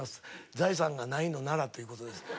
財産がないのならという事です。